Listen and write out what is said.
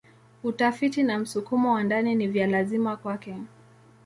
Utafiti na msukumo wa ndani ni vya lazima kwake.